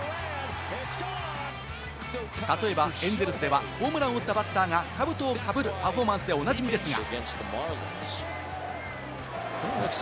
例えばエンゼルスではホームランを打ったバッターが兜をかぶるパフォーマンスでおなじみですが。